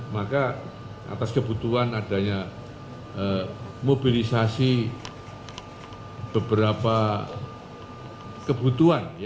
maka atas kebutuhan adanya mobilisasi beberapa kebutuhan